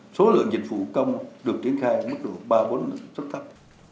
số lượng dịch vụ công được triển khai mức độ ba bốn rất thấp